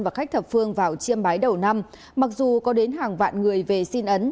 và khách thập phương vào chiêm bái đầu năm mặc dù có đến hàng vạn người về xin ấn